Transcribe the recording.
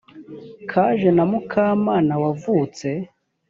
kaje na mukamana wavutse